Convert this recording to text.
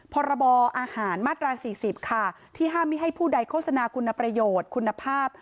พรบอาหารมาตรา๔๐ค่ะที่ห้ามไม่ให้ผู้ใดโฆษณาคุณประโยชน์คุณภาพ